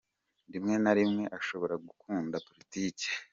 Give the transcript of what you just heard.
Rimwe na rimwe ashobora gukunda politiki.